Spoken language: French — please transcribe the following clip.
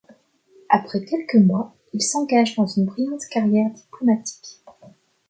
Après quelques mois, il s’engage dans une brillante carrière diplomatique.